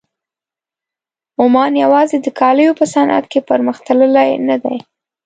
عمان یوازې د کالیو په صنعت کې پرمخ تللی نه دی.